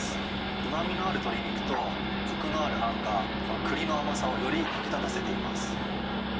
うまみのある鶏肉とこくのあるあんが、このクリの甘さをより引き立たせています。